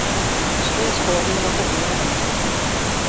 Os cães correm uma corrida na pista.